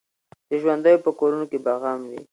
د ژوندیو په کورونو کي به غم وي